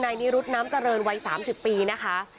นายนีรุ๊ดน้ำเจริญวัย๓๐ปีนะคะ